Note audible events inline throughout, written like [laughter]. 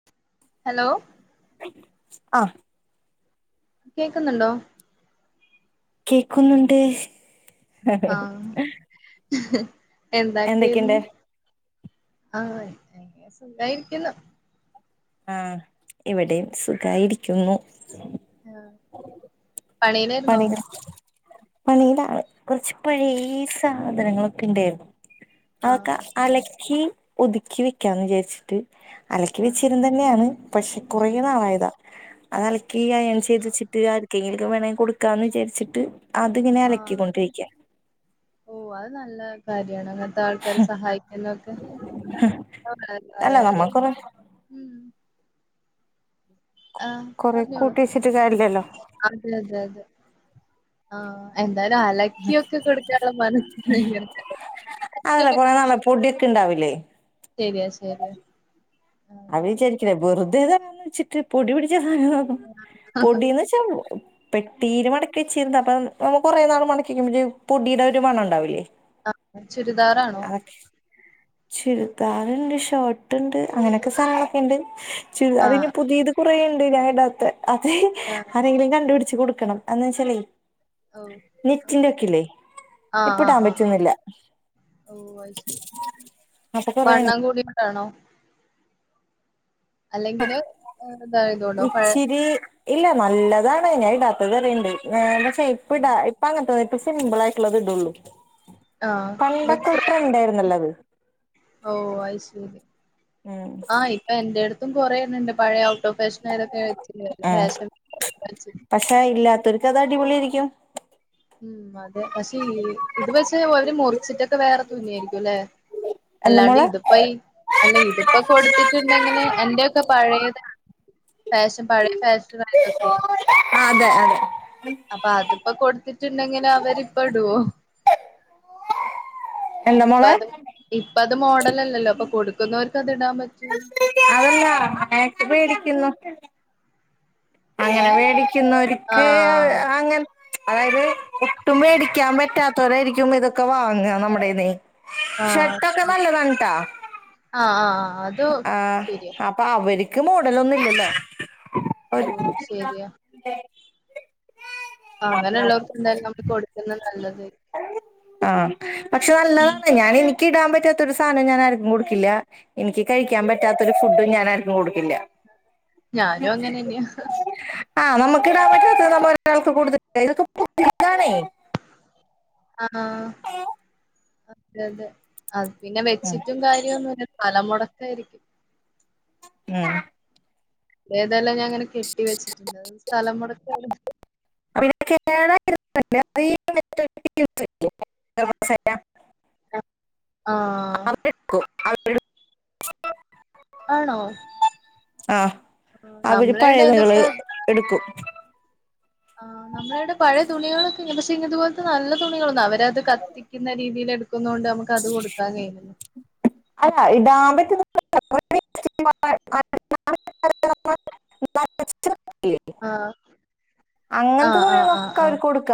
[inaudible] Hello ആഹ് കേക്കുന്നുണ്ടോ കേക്കുന്നുണ്ട് ആഹ് എന്തൊക്കെയുണ്ട് എന്താക്കായിരുന്ന് ആഹ് സുഖായിരിക്കുന്നു ആഹ് ഇവിടെയും സുഖായിരിക്കുന്നു ആഹ് പണിയിലായിരുന്നോ പണികൾ പണീലാണ് കുറച്ച് പഴയ സാധനങ്ങളൊക്കെ ഉണ്ടായിരുന്നു ആഹ് അതൊക്കെ അലക്കി ഒതുക്കി വെക്കാന്ന് വിചാരിച്ചിട്ട് അലക്കി ആഹ് വെച്ചിരുന്നന്നെയാണ് പക്ഷെ കുറെ ഉം നാളായതാ അത് അലക്കി അയേൻ ചേതെച്ചിട്ട് ആർക്കെങ്കിലും വേണങ്കിൽ കൊടു ക്കാന്ന് വിചാരിച്ചിട്ട് അതിങ്ങനെ ആഹ് അലക്കിക്കൊണ്ടിരിക്ക്യ ഓഹ് അത് നല്ല കാര്യാണ് അങ്ങന ത്തെ ആൾക്കാരെ സഹായിക്കുന്നൊക്കെ അഹ്ക്കെ അല്ല നമ്മ നല്ലകാര്യാ കൊറെ ആഹ് കൊറേ പറഞ്ഞോളൂ കൂട്ട്‌യെച്ചിട്ട് കാര്യല്ലല്ലോ അതെ അതെ അതെ ആഹ് എന്തായാലും അല ക്കിയൊക്കെ കൊടുക്കാനുള്ള മനസ്സ് നിങ്ങൾ പൊട്‌യൊക്കെണ്ടാവില്ലേ? ശെര്യാ ശെര്യാ അവ വിചാരിക്കില്ലേ വെറുതെതരാന്ന് വെച്ചിട്ട് പൊടി പിടിച്ച സാനങ്ങൾ പൊടീന്നെച്ചാ പെട്ടീല് മടക്കി വെച്ചിരുന്ന അപ്പം കൊറേ നാള് മടക്ക്യെക്കുമ്പയേ പൊടിയുടെ ഒരു മണണ്ടാവില്ലേ ആഹ് ചുരിദാറാണോ അതൊക്കെ ചുരിദാറിണ്ട് ഷോർട്ട്ണ്ട് അങ്ങനെക്കെ സാനങ്ങളെക്കെണ്ട് ചുരിദാറിനി ആഹ് പുതിയത് കുറേണ്ട് ഞാനിടാത്തെ അതേയ് അഹ് ആരെയെങ്കിലും കണ്ടുപടിച്ച് കൊടുക്കണം ആന്നാച്ചാലേയ് ഓഹ് നെറ്റിന്റൊക്കില്ലേ ആഹ് ഇപ്പടാം ആഹ് ആഹ് ആഹ് പറ്റ്ന്നില്ല ഓഹ് അയ്ശെരി അപ്പൊ കൊറേ മണ്ണ ആണോ? അല്ലെങ്കില് തായതോണ്ടോ പഴെ ഇച്ചിരി ഇല്ല നല്ലതാണ് ഞാ ഇടാത്തെ വരെയിണ്ട് ഈഹ് പക്ഷെ ഇപ്പടാ ഇപ്പങ്ങൻത്തത് ഇപ്പ സിമ്പിളായ്ട്ടിള്ളത് ഇടൊള്ളു ആഹ് ഇത് പണ്ടൊക്കെ ട്രെന്റായിരുന്നല്ലത് ഓഹ് അയ്ശെരി ഉം ആയി ആഹ് എന്റെടുത്തും കൊറേഎണ്ണണ്ട് പഴയ ഔട്ട് ഓഫ് ഫാഷനായതൊക്കെ ഫാഷൻ പക്ഷേ ഇല്ലാത്തവര്ക്കത് അടിപൊളി ആയിരിക്കും ഉം അതെ പക്ഷെ ഇത് പക്ഷേ ഒവര് മുറിച്ചിട്ടൊക്കെ വേറെ തുന്നിയായിരിക്കും അല്ലേ എന്താ അല്ലാണ്ട് മോളെ ഇതിപ്പയി അല്ല ഇതിപ്പൊ കൊടുത്തിട്ടുണ്ടെങ്കില് എന്റെയൊക്കെ പഴയതാണ് ഫേഷം പഴയ ഫേഷനായതൊക്കെ ആഹ് അതെ അതെ അപ്പൊ അതിപ്പോ കൊടുത്തിട്ടുണ്ടെങ്കില് അവരിപ്പടോ? എന്താ മോളെ ഇപ്പത് ഇപ്പത് മോഡലല്ലല്ലോ അപ്പൊ കൊടുക്കുന്നോർക്കത് ഇടാം പറ്റൂന്ന് അതല്ലാ മേക്ക് പേടിക്ക്യുന്നു അങ്ങനെ എങ്ങനെ മേടിക്കുന്നോര്ക്ക് ആഹ് അങ്ങനെ അതായത് ഒട്ടും ആഹ് വേടിക്കാൻ പറ്റാത്തവരായിരിക്കും ഇതൊക്കെ വാങ്ങ നമ്മടേന്നെ ആഹ് ആഹ് ആഹ് അഹ് ത് ആഹ് അപ്പൊ അവര്ക്ക് മോഡലൊന്നുംല്ല്യല്ലോ. ഉം ശെരിയ. അങ്ങനെയുള്ളോർക്കെന്തായാലും നമ്മള് കൊടുക്കുന്ന നല്ലത്. ആഹ് പക്ഷെ നല്ലതാണ്. ഞാനെനി ഇക്കിടാൻപറ്റാത്തൊരു സാനും ഞാനാര്ക്കും കൊടുക്കില്ല. എനിക്ക് കഴിക്കാം പറ്റാത്തൊരു ഫുഡും ഞാനാര്ക്കും കൊടുക്കി ഇല്ല്യ. ഞാനും അങ്ങനെന്യാ. ആഹ് നമുക്ക് ഇടാം പറ്റാത്തത് നമ്മ ഒരാൾക്ക് കൂടുതല ഇതൊക്കെ പുതിയതാണേ. ആഹ് അതെ, അതെ അത്പിന്നെ ഉം വെച്ചിട്ടും കാര്യോന്നുല്ല. സ്ഥലം മൊടക്കായിരിക്കും. ഊം. ഇതേതായാലും ഞാങ്ങനെ കെട്ടി വെച്ചിട്ടുണ്ട്ത് സ്ഥലം മൊടക്കായാലും. [unintelligible] ആഹ്. [unintelligible] [inaudible] ആണോ ആഹ് അവര് പഴയ തുണികള് നമ്മളെടതൊക്ക. എടുക്കും. ആഹ് നമ്മളെട പഴയ തുണികളോക്കെങ്ങനെ പക്ഷെ ഇതുപലത്തെ നല്ല തുണികളൊന്നും അവരത്. കത്തിക്കുന്ന രീതിൽ എടുക്കുന്നോണ്ട് നമുക്ക് അത് കൊടുക്കാൻ കഴിയുലല്ലോ. അല്ല ഇടാൻ പറ്റുന്ന. ആഹ് [unintelligible] അങ്ങനത്തെ ആഹ് ആഹ് തുണികളൊക്കെ ആഹ് അവർക്ക്‌ കൊടുക്ക.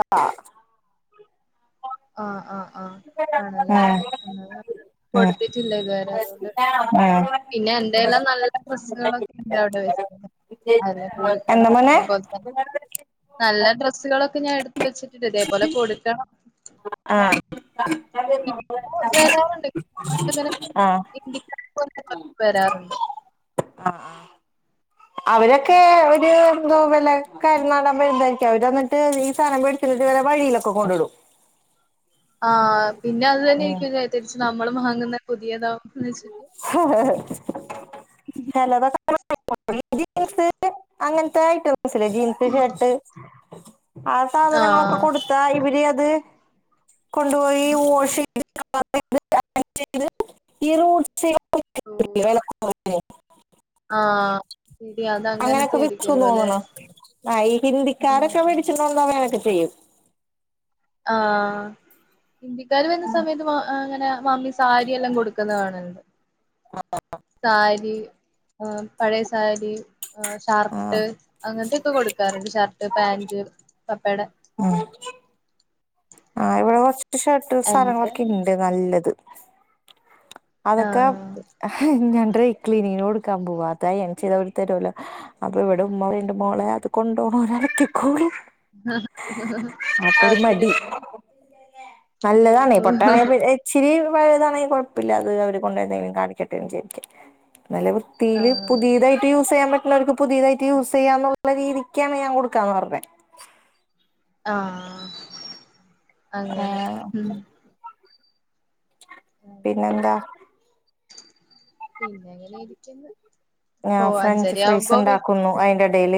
ആഹ്, ആഹ്, ആഹ് ആണല്ലേ എന്ന ഉം കൊടുത്തിട്ടില്ല ഇതുവരെ അതുകൊണ്ട്. ഉം പിന്നെ എന്തെല്ലാം നല്ല ഡ്രസ്സുകളൊക്കെ ഉണ്ട് അവിടെ വെച്ച. എന്താ മോനെ. തന്നെ നല്ല ഡ്രസ്സുകളൊക്കെ ഞാൻ എടുത്ത് വച്ചിട്ടുണ്ട് ഇതേപോലെ കൊടുക്കണം. ആഹ്. [unintelligible] [unintelligible] വരാറുണ്ട് ങ്ങന ആഹ് [unintelligible] ഹിന്ദിക്കാരെ പോലത്തെ [unintelligible] വരാറുണ്ട്. ആഹ്, ആഹ് അവരൊക്കെ ഉം ഒരു എന്തോ വല്ല. കർണാട [unintelligible] അവര് വന്നിട്ട് ഈ സാധനം മെടിച്ചിട്ട് ഇവരെ വഴിയിലൊക്കെ കൊണ്ടുടും. ആഹ് പിന്ന അത് ഉം തന്നെയിരിക്കും ചാ തിരിച് നമ്മളും വാങ്ങുന്ന പുതിയതാവുന്ന് വെച്ച്. [unintelligible] ജീൻസ് അങ്ങനത്തെ അയിറ്റം. ജീൻസ് ഷർട്ട് ആ സാധനങ്ങളൊക്കെ ആഹ് കൊടു ത്ത ഇവര് അത് കൊണ്ടുപോയി വാഷെയ്തു [unintelligible] ഈ [unintelligible] [unintelligible] ആഹ്. ശരി അത് അങ്ങനെയൊക്കെ അങ്ങനത്തെ വിറ്റു ആയിരിക്കല്ലോ അല്ലേ തോന്നണോ ആ ഈ ഉം ഹിന്ദിക്കാരൊക്കെ മേടിച്ചി [unintelligible] ചെയ്യും. ആഹ്. ഹിന്ദിക്കാര് വരുന്ന സമയത്ത് അങ്ങനെ മമ്മി സാരിയെല്ലാം കൊടുക്കുന്ന കാണൽണ്ട്. ആഹ്. സാരി ആഹ് പഴയ സാരി ആ ഷർട്ട് അങ്ങനത്തെയൊക്കെ കൊടുക്കാറുണ്ട് ഷർട്ട് പാന്റ് പപ്പടെ ആഹ് ഇവിടെ കൊറച്ച് ഷർട്ട് എന്റെ സാനങ്ങളൊക്കെ ഇണ്ട് നല്ലത് അതൊക്കെ ആഹ് ഞ ഡ്രൈ ക്ലീനിങ്ങിനോടുക്കാൻ പോവാ അതായ എനി ചെയ്തരുത്തരുല്ലോ അപ്പൊ ഇവിടെ ഉമ്മണ്ട് മോളെ അത് കൊണ്ടോണം ഒരലക്കിക്കോളും [unintelligible] നല്ലതാണ് പൊട്ട [unintelligible] ചിരി പയതാണെങ്കിൽ കുഴപ്പമില്ല അത് അവര് കൊണ്ടുവരുന്നെങ്കിലും കാണിക്കട്ടെ ശരിക്ക നല്ല തീയിയില് ആഹ് പുതിയതായിട്ട് യൂസ് യ്യാൻ പറ്റുന്നവർക്ക് പുതിയതായിട്ട് യൂസ് ചെയ്യാ എന്നുള്ള രീതിക്കാണ് ഞാൻ കൊടുക്കുകന്ന് പറഞ്ഞത് ആഹ് അങ്ങനെ ആഹ് പിന്നെന്താ പിന്നെ അങ്ങനെ ഇരിക്കുന്ന ഞാൻ ഫ്രഞ്ച് ഫ്രീസ് ഉണ്ടാക്കുന്നു അയ്ന്റെ ഇടെൽ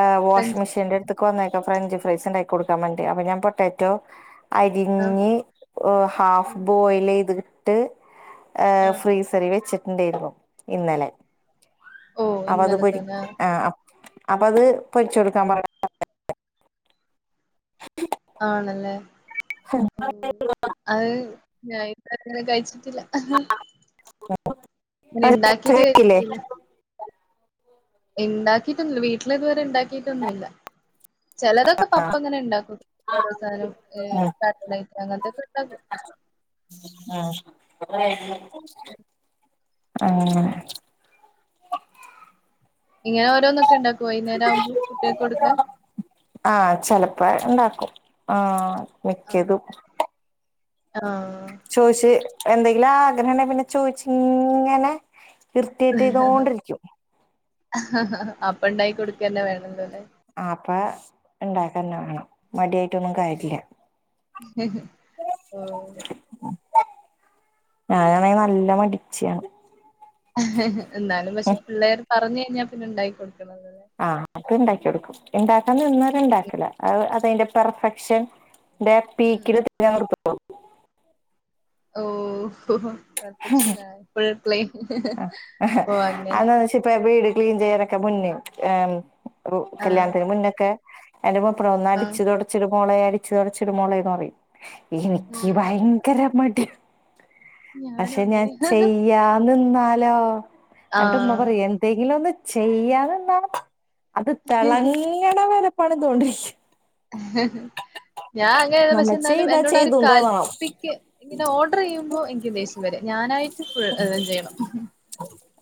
ആഹ് വാഷിംഗ് ഫ്രണ്ട്സ് മെഷീന്റെ ത്തക്ക് വന്നേക്കാം ഫ്രഞ്ച് ഫ്രൈസ് ഉണ്ടാക്കി കൊടുക്കാൻ വേണ്ടി അപ്പൊ ഞാൻ പൊട്ടാറ്റോ ആഹ് അരിഞ് ഉം ഹാഫ് ബോയിൽ യ്തിട്ട് ആഹ് ഫ്രീസറിൽ വെച്ചിട്ടുണ്ടായിരുന്നു ഇന്നലെ ഓ അപ്പ അത് ഇന്നലെ പൊ തന്നെ ആഹ് അപ്പൊ അത് പൊരിച്ച കൊടുക്കാൻ പറ ആണല്ലേ അയ് ഞാൻ അങ്ങനെ കഴിച്ചിട്ടില്ല ങ്ങനെ ഉണ്ടാക്കിട്ട് കഴിക്കില്ലേ ഉണ്ടാക്കിട്ടൊന്നില്ല വീട്ടില ഇതുവരെ ഉണ്ടാക്കിയിട്ടൊന്നുല്ല ചിലതൊക്കെ പപ്പ അങ്ങനെ ഉണ്ടാക്കും ഓരോ സധനം ഉം കട്ട്ലൈറ്റ് അങ്ങനത്തെക്കെ ഉണ്ടാക്കും ആഹ് ആഹ് അങ്ങനെ ഇങ്ങനെ ഓരോന്നൊക്കെ ഉണ്ടാക്കോ വെന്നേരകുമ്പോ കുട്ടികൾക്ക് കൊടുക്കൻ ആഹ് ചിലപ്പോ ഉണ്ടാക്കും ആഹ് ആണെല്ലെ ആഹ് ചോയ്ച്ച് എന്തെങ്കിലും ആഗ്രഹണ്ടെങ്കിൽ പിന്നെ ചോയിച്ചങ്ങനെ അപ്പ ഉണ്ടായി കൊടുക്കന്നെ വേണല്ലോല്ലെ ആഹ് അപ്പ ഉണ്ടാക്കന്നെ വേണം മടിയായിട്ടൊന്നും കാര്യല്ല ഓഹ് ഞാനാണ നല്ല മടിച്ചാണ് എന്നാലും പക്ഷെ ഉം പിള്ളേർ പറഞ്ഞു കഴിഞ്ഞാൽ പിന്നെ ഉണ്ടാക്കി കൊടുക്കണം എന്നല്ലേ ആഹ് അത് ഇണ്ടാക്കി കൊടുക്കും ഇണ്ടാക്കാൻ നിന്നാലും ഉണ്ടാക്കല അതതിന്റെ പെർഫെക്ഷൻ ൻ്റെ ഉം പീക്ക്ല് തന്നെ അങ്ങണ്ട് തൊട ഓ പെർഫെക്ഷന ഫ്രീപ്ലേ ആ അതന്ന വെച്ച ഇപ്പ വീട് ക്ലീൻ ചെയ്യാന ആഹ് കല്യാണത്തിന് മുന്നൊക്കെ എന്റെ മൂപ്പ ഒന്ന ആഹ് അടിച്ചൊടു അച്ചിടു പോണേ അടിച്ച്തുടച്ചിടു പോണേന്ന് പറയും എനിക്ക് ഉം ഭയങ്കര മടി ഞാനും പക്ഷെ ഞാൻ അങ്ങനെയാ ചെയ്യ നിന്നാലോ ആട്ട ഉമ്മ ആഹ് പറയും എന്തെങ്കിലും ഒന്ന് ചെയ്യാന്ന്ന്നാ അത് തിളങ്ങണ വേറെ പണിത്തോണ്ടിരിക്കും ഞാൻ അങ്ങനെത് പക്ഷെ നമ്മൾ എന്നാലും ചെയ്താ എന്നോട് ആരും ചെയ്തുന്ന് തോന്നണം കല്പിക്ക ഇങ്ങനെ ഓർഡർ ചെയ്യുമ്പോ എനിക്ക് ദേശ്യം വെരും ഞാനായിട്ട് ഫുൾ എല്ലാം ചെയ്യണം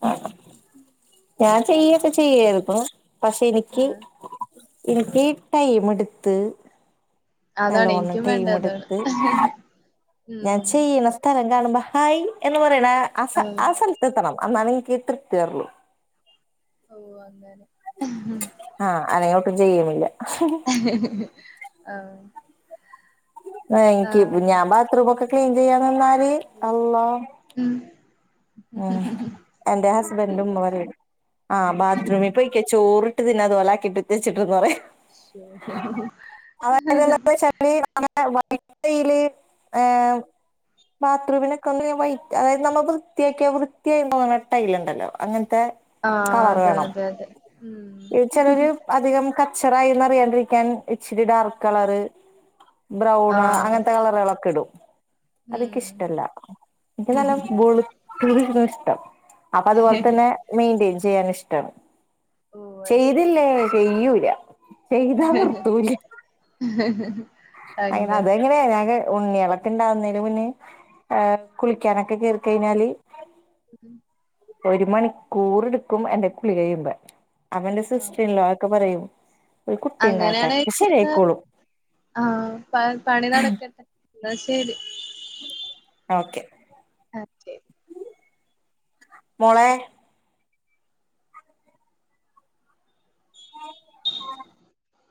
ആ ഞാൻ ചെയ്യൊക്കെ ചെയ്യുപ്പം പക്ഷെ എനിക്ക് ആഹ് എനിക്ക് ടൈം എടുത്ത് അതാണ് നല്ലോണം എനിക്കും വേണ്ട ടൈം അതാണ് എടുത്ത് ഉം ഞാൻ ചെയ്യണ സ്ഥലം കാണുമ്പോ ഹായ് എന്ന് പറയണേ അ സ ആ ആഹ് സ്‌ തത്തണം അന്നാലെ എനിക്ക് തൃപ്തി വേരൊള്ളൂ ഓഹ് അങ്ങനെ ആഹ് അനയോട്ടും ചെയ്യുമില്ല ആഹ് എനിക്ക് ആഹ് ഞാൻ ബാത്റൂമക്കെ ക്ലീൻ ചെയ്യാൻ നിന്നാല് അള്ളോ ഉം ഉം എന്റെ ഫുൾ ഹസ്ബൻഡ ക്ലെയിം ഉമ്മ പറിം ആ ഉം ബാത്റൂമി പോയി ക്കെ ചോറിട്ട് തിന്ന അത് ഒലക്കിയിട്ട്ത്തച്ചിട്ടിന്ന് പറേ ശോ [inaudible] ഏഹ് ബാത്റൂമിനൊക്കെ [unintelligible] അതായത് നമുക്ക് വൃത്തിയാക്കിയ വൃത്തിയ തോന്നുന്ന ടൈയിലുണ്ടല്ലോ അങ്ങനത്തെ ആഹ് കളർ അതെ വേണം അതെ അതെ ഉം ചിലര് അധികം കച്ചറായിന്ന് അറിയാണ്ടിരിക്കാൻ ഇച്ചിരി ഡാർക്ക് കളറ് ബ്രൗണ് ആഹ് അങ്ങൻത്തെ കളറുകളൊക്കെ ഇടും ഉം അതിക്കിഷ്ടല്ല ഇന്ക്ക് നല്ല വെളുത്തോണ്ട്കണ ഇഷ്ടം അപ്പൊ അതുപോലെ തന്നെ മെയിന്റെയിൻ ചെയ്യാനും ഇഷടാണ് ഓ അത് ശരി ചെയ്തില്ലേ ചെയ്യൂല ചെയ്താ നിർത്തൂല അയിന് അങ്ങനെ അതെങ്ങനെയാ ഞങ്ങ് ഉണ്ണിളക്കെ ഉണ്ടാവുന്നതിന് മുന്നെ എഹ് കുളിക്കാനൊക്കെ കേറി കഴിഞ്ഞാല് ഒരു മണിക്കൂർ എടുക്കും എന്റെ കുളി കഴിയുമ്പ അപന്റെ ആഹ് സിസ്റ്ററില്ലോക്കെ പറയും ഒരു കുട്ടി ണ്ടാകട്ടെ അങ്ങനെയാണെങ്കി ശരി ആയിക്കോളും ആഹ് പ പണി നടക്കട്ടെ ന്ന ശരി ഓക്കെ [unintelligible] മോളേ